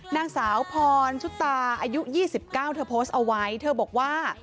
นางสาวพรชุตาอายุ๒๙เธอโพสต์เอาไว้เธอบอกว่า